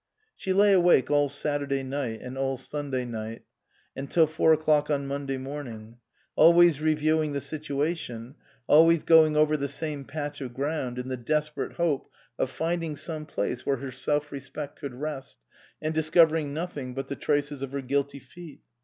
She lay awake all Saturday night and all Sunday night, until four o'clock on Monday morning ; always reviewing the situation, always going over the same patch of ground in the desperate hope of finding some place where her self respect could rest, and dis covering nothing but the traces of her guilty feet.